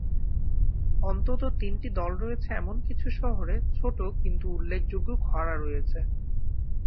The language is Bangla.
অন্তত তিনটি দল রয়েছে এমন কিছু শহরে ছোট কিন্তু উল্লেখযোগ্য খরা রয়েছে।